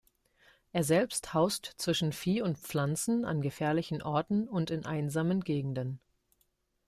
Er selbst haust zwischen Vieh und Pflanzen an gefährlichen Orten und in einsamen Gegenden.